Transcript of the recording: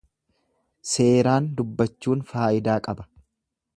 Seeraan dubbachuun faayidaa qaba.